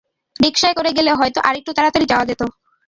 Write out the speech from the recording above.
রিকশায় করে গেলে হয়তো আরেকটু তাড়াতাড়ি যাওয়া যেত!